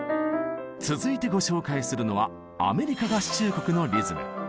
続いてご紹介するのはアメリカ合衆国のリズム。